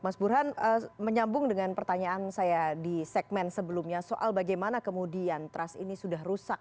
mas burhan menyambung dengan pertanyaan saya di segmen sebelumnya soal bagaimana kemudian trust ini sudah rusak